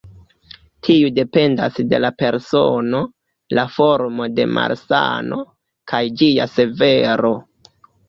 Tiu dependas de la persono, la formo de malsano, kaj ĝia severo.